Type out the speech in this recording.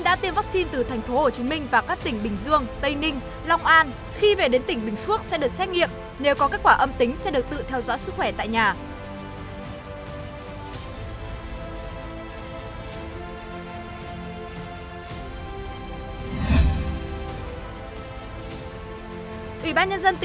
sau đây là một số thông tin mới cập nhật